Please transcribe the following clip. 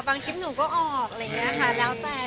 บางทริปหนูก็ออกแล้วแต่